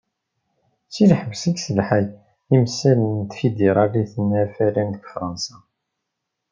Si lḥebs, i yesselḥay timsal n Tfidiralit n Afalan deg Fransa.